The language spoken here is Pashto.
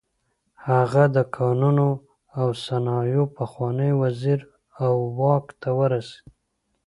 هغه د کانونو او صنایعو پخوانی وزیر و او واک ته ورسېد.